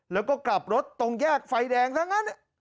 แล้วก็กลับรถตรงแยกไฟแดงทั้งนั้น